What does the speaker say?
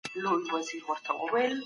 څنګه زړو خلګو ته پاملرنه کیږي؟